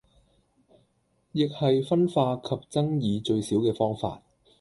亦係分化及爭議最少既方法